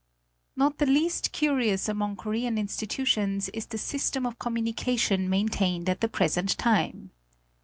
Not the least curious among Korean institutions is the system of communication maintained at the present time.